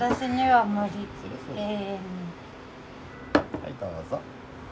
はいどうぞ。